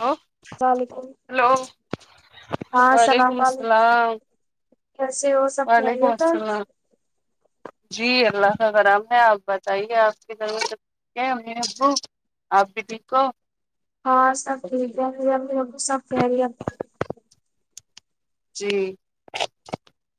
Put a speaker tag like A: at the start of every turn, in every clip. A: ہو
B: اللام علیکم
A: ہلو
B: ہاں
A: وعلیکم
B: السلام علیکم
A: السلام
B: کیسے ہو سب
A: وعلیکم
B: خیریت ہے
A: السلام جی اللہ کا کرم ہے آپ بتائیے آپ [unintelligible] امی ابو آپ بھی ٹھیک ہو
B: ہاں سب ٹھیک ہے میرے امی ابو سب خیریت
A: جی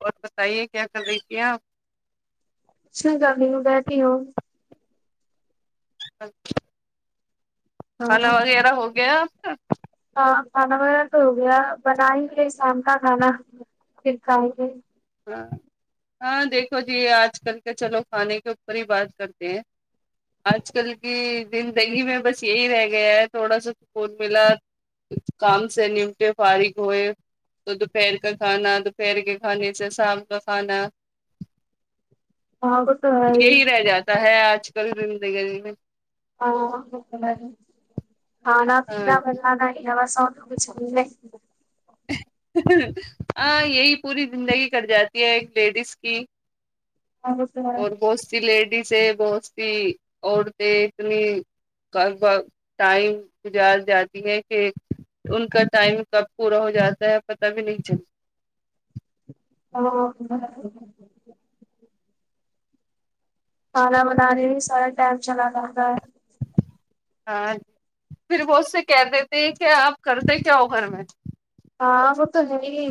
A: اور بتائیے کیا کر رہی تھی آپ
B: [unintelligible] ہاں
A: کھانا وغیرہ ہو گیا آپ کا
B: ہاں کھانا وغیرہ تو ہو گیا بنا ہی کے شام کا کھانا پھر کھاؤنگی
A: ہاں ہاں دیکھو جی آج کل کے چلو کھانے کے اوپر ہی بات کرتے ہیں آج کل کی زندگی میں بس یہی رہ گیا ہے تھوڑا سا سکون ملا کام سے نمٹے فارغ ہوئے تو دوپہر کا کھانا دوپہر کے کھانے جیسا اپ کا کھانا
B: ہاں وہ تو ہے ہی
A: یہی رہے جا ہے اج کل زندگی میں
B: ہاں کھانا
A: ہاں
B: پینا مرجانا ہے [unintelligible]
A: ہاں یہی پوری زندگی کٹ جاتی ہے ایک لیڈیز کی
B: ہاں وہ تو ہے۔
A: اور بہت سی لیڈیز ہے بہت سی عورتیں اتنی گھر پر ٹائم گزار جاتی ہے کہ ان کا ٹائم کب پورا ہو جاتا ہے پتا بھی نہیں چل
B: [unintelligible] کھانا بنانے میں سارا ٹائم چلا جاتا ہے
A: ہاں پھر وہ اس سے کہہ دیتے ہیں کہ آپ کرتے کیا ہو گھر میں
B: ہاں وہ تو ہے ہی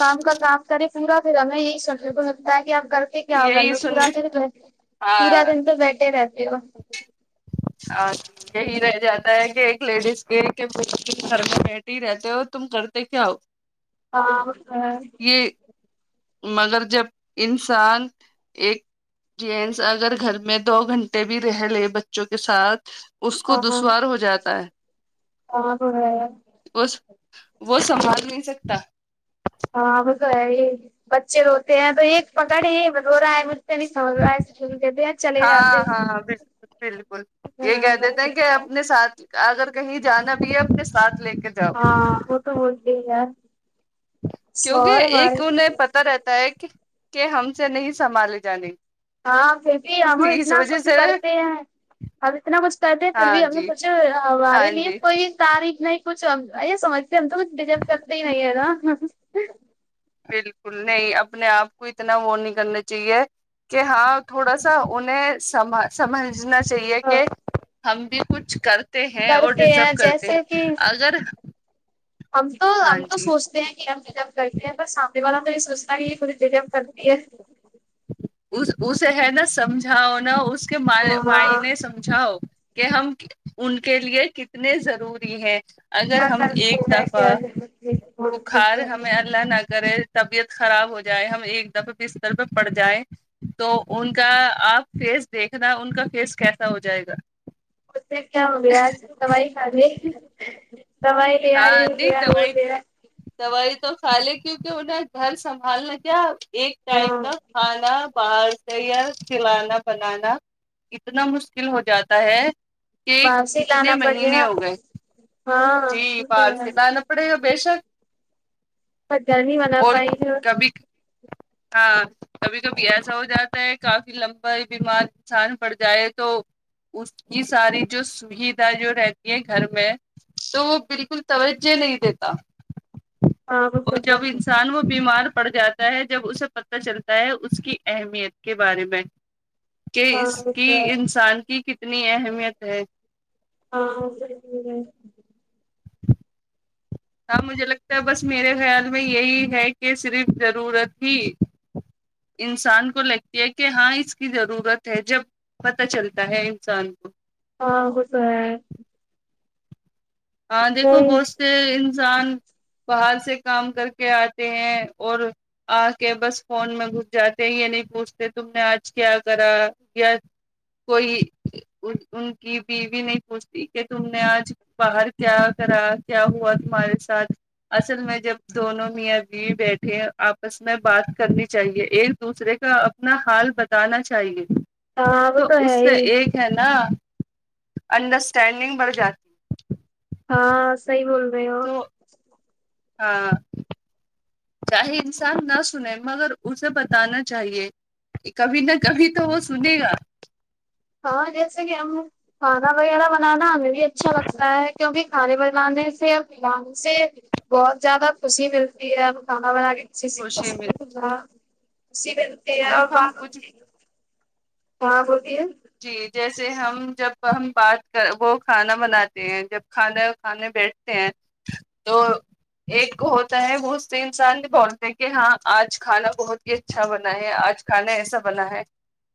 B: کام کا کام کر پورا پھر ہمیں یہی سونے کو ملتا ہے کہ آپ کر تے کیا ہو گھر
A: یہی
B: میں پورا
A: سننے
B: دن گھر پورا
A: ہاں
B: دن تو بیٹھے رہتے ہو
A: اچھا یہی رہ جاتا ہے کہ ایک لیڈیز کے کچھ گھر میں بیٹھے ہی رہتے ہو تم کرتے کیا ہو
B: کام گھر
A: کے مگر جب انسان ایک جینس اگر گھر میں دو گھنٹے بھی رہ لے بچوں کے ساتھ اس کو
B: ہاں
A: دشوار
B: ہاں
A: ہو جاتا ہے
B: وہ ہے
A: اس وہ سنبھال نہیں سکتا
B: ہاں وہ تو ہے ہی بچے روتے ہیں تو ایک پکڑ ہی رو رہا ہے مجھ نہیں سبھل رہا ہے ایسے چھوڈ کے بھی چلے
A: ہاں
B: جاتے
A: ہاں بالکل بالکل یہ کہہ دیتے ہیں کہ
B: [unintelligible]
A: اپنے ساتھ اگر کہیں جانا بھی ہے اپنے ساتھ لے کے جاؤ
B: ہاں وہ تو ہو تے ہی ہے
A: کیونکہ
B: شوہر
A: ایک
B: ہمارے
A: انہیں پتا رہتا ہے کہ کے ہم سے نہیں سنبھالے جانے
B: ہاں پھر بھی ہم
A: اس
B: اتنا
A: وجہ
B: کچھ
A: سے
B: کرتے ہیں اب اتنا کچھ کرتے پھر
A: ہاں
B: بھی ہمیں
A: جی
B: کچھ
A: ہاں
B: ہمارے لیے
A: جی
B: کوئی تعریف نہیں کچھ ا یہ سمجھتے ہیں ہم تو کچھ ڈیزرو کرتے ہی نہیں ہے نا
A: بالکل نہیں اپنے آپ کو اتنا وہ نہیں کرنا چاہیے کہ ہاں تھوڑا سا انہیں سمل سمجھنا چاہیے کہ ہم بھی کچھ کرتے ہیں اور
B: کرتے ہیں
A: ڈیزرو کرتے
B: جیسے
A: ہیں
B: کہ
A: اگر
B: ہم تو
A: ہاں
B: ہم تو
A: جی
B: سوچتے ہیں کے ہم جب کرتی ہیں بس سامنے والا تو یے سوچتا ہے کی یے ڈےذوف کرتی ہے
A: اس اسے ہے نا سمجھاؤنا اس کےماے
B: ہاں
A: مائنے سم سمجھاؤ کہ ہم ان کے لیے کتنے ضروری ہیں اگر ہم ایک دفعہ
B: جی جی
A: بخار ہمیں اللہ نہ کرے طبیعت خراب ہو جائے ہم ایک دفعہ بستر پے پڑ جائے تو ان کا آپ فیس دیکھنا ان کا فیس کیسا ہو جائے گا
B: اس سے کیا ہو گیا آج دوائی کھا لیے دوائی دے آ
A: ہاں
B: یے
A: نہیں
B: دے آ وہ
A: دوائی
B: دے آ
A: دوائی تو کھالے کیونکی انہیں گھر سنبھالنا کیا ایک ٹائم
B: ہاں
A: کا کھانا باہر سے یا کھلانا بنانا کتنا مشکل ہو جاتا ہے کے
B: واپسی
A: کتنے
B: لانا پڑے
A: مہینے
B: گا
A: ہو گئے
B: ہاں
A: جی
B: وہ تو
A: باہر
B: ہے،
A: سے لانا پڑے گا بے شک
B: پاتا نہیں بنا
A: اور
B: پائے گی
A: کبھی ہاں کبھی کبھی ایسا ہو جاتا ہے کافی لمبا ہی بیمار انسان پڑ جائے تو اس کی ساری جو سویدھا جو رہتی ہے گھر میں تو وہ بالکل توجہ نہیں دیتا
B: ہاں وہ تو
A: اور
B: ہے
A: جب انسان وہ بیمار پڑ جاتا تا ہے جب اسے پتا چلتا ہے اس کی اہمیت کے بارے میں کہ
B: ہاں
A: اس
B: وہ
A: کی
B: تو ہے
A: انسان کی کتنی اہمیت ہے
B: ہاں ہاں ضرور ہے
A: ہاں مجھے لگتا ہے بس میرے خیال میں یہی ہے کی صرف ضرورت ہی انسان کو لگتی ہے کی ہاں اس کی ضرورت ہے جب پتہ چلتا ہے انسان کو
B: ہاں وہ تو ہے
A: ہاں دیکھو بہت سے انسان باہر سے کام کر کے آتے ہیں اور آ کے بس فون میں گھس جاتے یے نہیں پوچھتے تم نے آج کیا کرا کیا کوئی ان کی بیوی نہیں پوچھتی کہ تم نے آج باہر کیا کرا کیا ہوا تمہارے ساتھ اصل میں جب دونوں میاں بیوی بیٹھے آپس میں بات کرنی چاہیے ایک دوسرے کا اپنا حال بتانا چاہیے
B: وہ
A: تو اس
B: ہے
A: سے
B: ہی
A: ایک ہے نا انڈرسٹینڈنگ بڑھ جاتی
B: ہاں صحیح بول رہے ہو
A: تو ہاں چاہے انسان نہ سنے مگر اسے بتانا چاہیے کبھی نہ کبھی تو وہ سنے گا
B: ہاں جیسے کہ ہم کھانا وغیرہ بنانا ہمیں بھی اچھا لگتا ہے کیونکی کھانے بنانے سے کھلانے سے بہت زیادہ خوشی ملتی ہے کھانا بنا کے
A: خوشی میں
B: خوشی ملتی ہے اور
A: جب ہم کچھ
B: ہاں بولتی ہے
A: جی جیسے ہم جب ہم بات کر وہ کھانا بناتے ہیں جب کھانا کھانے بیٹھ ہے تو ایک کو ہوتا ہے وہ دوسرے انسان سے بولتے ہیں کہ ہاں آج کھانا بہت یہ اچھا بنا ہے آج کھانا ایسا بنا ہے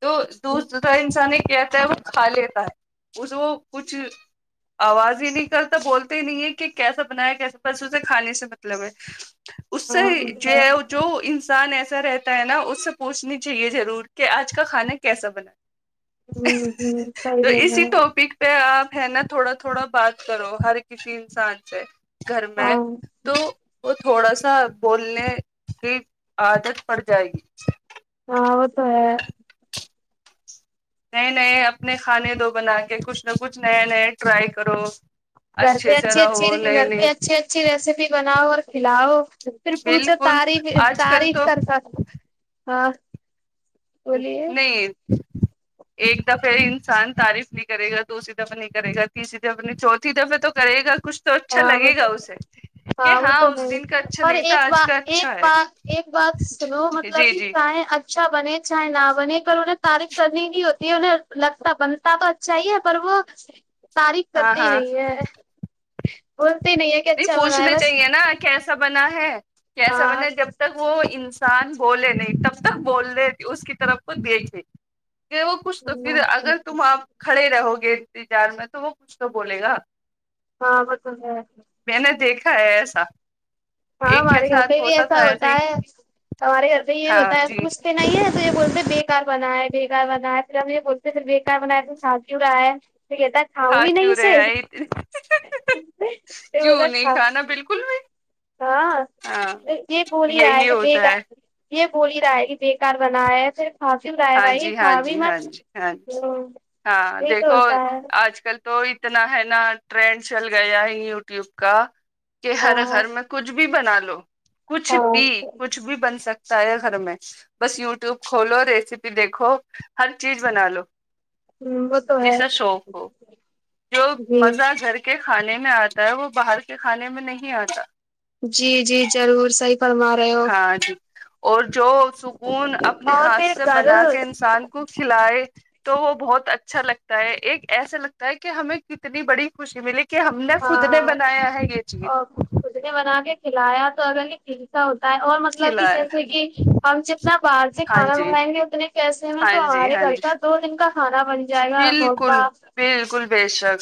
A: تو دوسرا انسان یہ کہتا ہے وہ کھا لیتا ہے اس وہ جو کچھ آواز ہی نہیں نکلتا بولتے ہی نہیں ہے کہ کیسا بنایا کیسا اچھے سے کھانے سے مطلب ہے اس سے
B: ہاں
A: ہی
B: وہ تو
A: جے
B: ہے،
A: ہو جو
B: ہوں
A: انسان ایسا رہتا ہے نا اس سے پوچھنی چاہیے ضرور کہ آج کا کھانا کیسا بنائے
B: ہوں صحیح
A: تو
B: بول
A: اسی
B: رہے ہیں
A: ٹاپک پھر آپ ہے نا تھوڑا تھوڑا بات کرو ہر کسی انسان سے گھر میں
B: ہاں
A: تو وہ تھوڑا سا بولنے کی عادت پڑ جائے گی
B: ہاں وہ تو ہے
A: نئے نئے اپنے کھانے دو بنا کے کچھ نہ کچھ نئے نئے ٹرائی کرو
B: گھر پہ
A: اچھے سے
B: اچھی
A: رہو
B: اچھی
A: نہیں
B: گھر
A: نہیں
B: پہ اچھی اچھی ریسیپی بناؤ اور کھلاؤ پھر پوچھا
A: بالکل
B: تعاریف
A: آج کل
B: تعریف
A: تو
B: کرسکتے ہاں بولیے
A: نہیں ایک دفعہ انسان تعریف نہیں کرے گا دوسری دفعہ نہیں کرے گا تیسری دفعہ نہیں چوتھی دفعہ تو کرے گا کچھ تو اچھا
B: ہاں وہ
A: لگے گا
B: تو
A: اسے کہ
B: ہاں وہ تو ہے
A: اس دن کا اچھا
B: اور
A: نہیں تھا
B: ایک
A: آج
B: بات
A: کا
B: ایک
A: اچھا ہے
B: بات ایک بات سنو مطلب
A: جی
B: کہ
A: جی
B: چاںے اچھا بنے چاہے نہ بنے پر انہیں تعریف کرنی نہیں ہوتی ہے انہیں لگتا بنتا تو اچھا ہی ہے پر وہ تعریف
A: ہاں
B: کرتے ہی
A: ہاں
B: نہیں ہے بولتے نہیں ہے کہ
A: جی
B: اچھا بنا ہے
A: پوچھنا
B: بس
A: چاہیے نا کیسا بنا ہے کیسا
B: ہاں
A: بنا ہے جب تک وہ انسان بولے نہیں تب تک بول رہ اس کی طرف کو دیکھے کہ وہ کچھ تو پھر اگر تم آپ کھڑے رہو گے انتظار میں تو وہ کچھ تو بولے گا
B: ہاں وہ تو ہے
A: میں نے دیکھا ہے ایسا
B: ہاں
A: ایک کے
B: ہمارے گھر
A: ساتھ
B: پہ بھی ایسا
A: تھا ایسے
B: ہوتا
A: ہی
B: ہے ہمارے گھر پہ یہ
A: ہاں
B: ہوتا ہے
A: جی
B: کچھ پہ نہیں ہے تو یہ بولتے ہے بے کار بنا ہے بے کار بنا ہے پھر ہم یہ بولتے ہے پھر بے کار بنا ہے تو کھا کیوں رہا ہے تو کہتا کھاؤں
A: کھا
B: بھی نہیں
A: کیوں
B: اسے
A: رہے آئی
B: پھر بولتا
A: کیوں
B: ہے
A: نہیں
B: کھاؤ
A: کھانا بالکل نہیں
B: ہاں یہ بول ہی رہا ہے
A: یہی
B: کہ
A: ہوتا
B: بیکا
A: ہے
B: یہ بول ہی رہا ہے کہ بیکار بنا ہے پھر کھا کیوں رہا ہے
A: ہاں جی
B: بھائی
A: ہاں
B: کھا بھی
A: جی ہاں
B: مت
A: جی ہاں جی
B: ہمم
A: ہاں
B: یہی تو
A: دیکھو
B: ہوتا ہے
A: آج کل تو اتنا ہے نا ٹرینڈ چل گیا ہے یو ٹیوب کا کہ ہر
B: ہاں
A: گھر میں کچھ بھی بنا لو کچھ
B: ہاں
A: بھی کچھ بھی بن سکتا ہے گھر میں بس یوٹیوب کھولو ریسیپ پہ دیکھو ہر چیز بنا لو
B: وہ تو ہے
A: جسکا شوق ہو جو
B: جی
A: مزہ گھر کے کھانے میں آتا ہے وہ باہر کے کھانے میں نہیں آتا
B: جی جی ضرور صحیح فرما رہے ہو
A: ہاں جی اور جو سکون اپنے
B: اور
A: ہاتھ
B: پھر
A: سے بنا کے
B: گھر
A: انسان کو کھلائے تو وہ بہت اچھا لگتا ہے ایک ایسا لگتا ہے کہ ہمیں کتنی بڑی خوشی ملی کہ ہم نے خود نے
B: ہاں
A: بنایا ہے یہ چیز
B: اور خود نے بنا کے کھلایا تو اگر کلسا ہوتا ہے اور مطلب کہ
A: کھلایا
B: جیسے کہ ہم جتنا باہر سے
A: ہاں
B: کھانا
A: جی
B: منگائیں گے اتنے پیسے میں
A: ہاں
B: تو
A: جی
B: ہمارے
A: ہاں
B: گھر
A: جی
B: کا دو دن کا کھانا بن جائے گا ہوتا
A: بالکل بالکل بیشک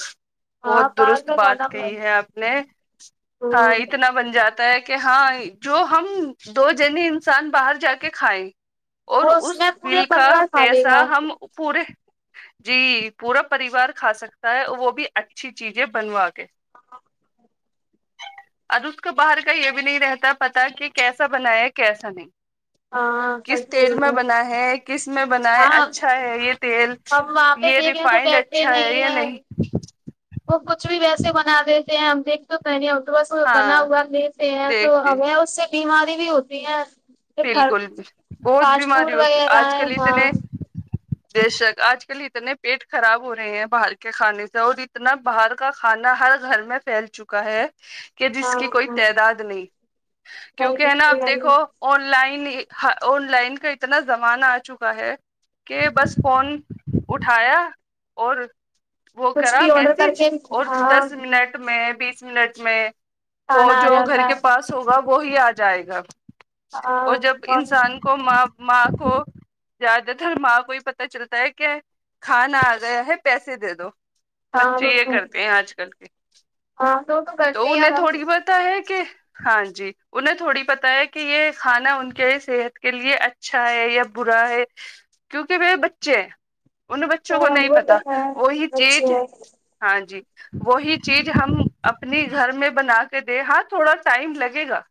A: بہت
B: باہر
A: درست
B: کا
A: بات
B: کھانا بن
A: کہی ہے آپ نے ہاں
B: تو
A: اتنا بن جاتا ہے کہ ہاں جو ہم دو جنے انسان باہر جا کے کھائیں اور
B: وہ
A: اس
B: میں پورے
A: بل کا
B: پریوار کھا لے
A: پیسہ
B: گا
A: ہم پورے جی پورا پریوار کھا سکتا ہے وہ بھی اچھی چیزیں بنوا کے اور اس کو باہر کا یہ بھی نہیں رہتا پتا کہ کیسا بنایا کیسا نہیں
B: ہاں
A: کس
B: صحیح
A: تیل
B: بول
A: میں
B: رہے ہو
A: بنا ہے کس میں بنا ہے
B: ہاں
A: اچھا ہے یہ تیل
B: ہم وہاں پہ
A: یہ
B: دیکھ رہے تو
A: ریفائنڈ
B: بیٹھتے
A: اچھا ہے یا نہیں
B: وہ کچھ بھی ویسے بنا دیتے ہیں ہم دیکھ
A: ہاں
B: بنا ہوا دیتے ہے تو
A: دیکھتے
B: ہمیں اس سے بیماری بھی ہوتی ہیں
A: بالکل بہت بیماری
B: فوڈ
A: ہو
B: وغیرہ
A: آج
B: ہے
A: کل
B: ہاں
A: اتنے بیشک آج کل اتنے پیٹ خراب ہو رہے ہیں باہر کے کھانے سے اور اتنا باہر کا کھانا ہر گھر میں پھیل چکا ہے کہ جس
B: ہاں
A: کی کوئی
B: ہاں
A: تعداد نہیں کیوں
B: نہیں
A: کہ ہے نا
B: بالکل
A: آپ
B: نہیں
A: دیکھو آن لائن آن لائن کا اتنا زمانہ آ چکا ہے کہ بس فون اٹھایا اور وہ
B: کچھ
A: کرا
B: بھی آڈر کر
A: میسج
B: کے
A: اور دس
B: ہاں
A: منٹ میں بیس منٹ میں وہ
B: کھانا آ
A: جو گھر
B: جاتا
A: کے
B: ہے
A: پاس ہوگا وہی آ جائے گا اور جب
B: ہاں
A: انسان کو ماں ماں کو جائدہ تر ماں کو ہی پتا چلتا ہے کے کھانا آ گیا ہے پیسے دے دو
B: ہاں
A: بچے
B: وہ
A: یہ
B: تو
A: کرتے ہیں آج کل کے
B: ہاں وہ
A: تو
B: کرتے ہیں
A: انہیں
B: ہم
A: تھوڑی بہت پتا ہے کہ ہاں جی انہیں تھوڑی پتا ہے کہ یہ کھانا ان کے صحت کے لیے اچھا ہے یا برا ہے کیونکہ وہ بچے ان بچوں کو
B: ہاں
A: نہیں
B: وہ تو
A: پتا
B: ہے
A: وہی چیج
B: اچھا
A: ہاں جی وہی چیز ہم اپنی گھر میں بنا کے دے ہاں تھوڑا ٹائم لگے گا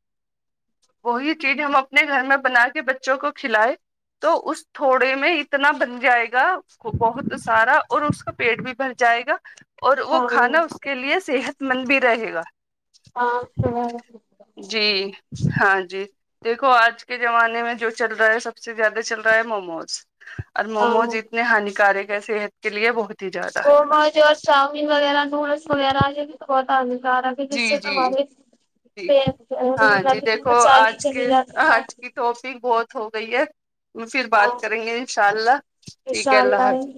A: وہی چیز ہم اپنے گھر میں بنا کے بچوں کو کھلائے تو اس تھوڑے میں اتنا بن جائے گا اس کو بہت سارا اور اس کا پیٹ بھی بھر جائے گا اور وہ
B: ہاں
A: کھانا اس کے لیے صحت مند بھی رہے گا
B: ہاں کو ہے
A: جی ہاں جی دیکھو آج کے زمانے میں جو چل رہا ہے سب سے زیادہ چل رہا ہے موموز اور موموز
B: ہاں
A: اتنے ہانیکارک ہے صحت کے لیے بہت ہی زیادہ
B: ممو اور چاؤمین وغیرہ نوڈلس وغیرہ یہ بھی تو بہت
A: جی جی جی ہاں جی دیکھو آج کے
B: ہانکارک
A: آج
B: [unintelligible]
A: کی ٹاپک بہت ہو گئی ہے ہم پھر
B: ہاں
A: بات کریں گے انشاء اللہ
B: ان
A: ٹھیک ہے
B: شاء
A: اللہ حافظ